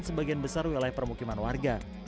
sebagian besar wilayah permukiman warga